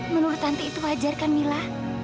menurut tante itu wajar kan mila